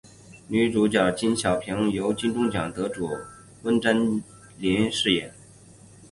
女主角李晓萍由金钟奖得主温贞菱饰演。